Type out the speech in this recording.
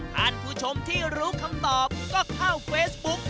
ท่านผู้ชมที่รู้คำตอบก็เข้าเฟซบุ๊ก